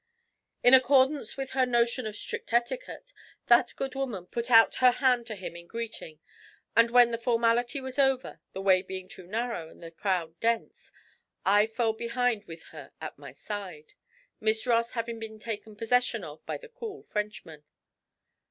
In accordance with her notion of strict etiquette, that good woman put out her hand to him in greeting; and when the formality was over, the way being narrow and the crowd dense, I fell behind with her at my side, Miss Ross having been taken possession of by the cool Frenchman.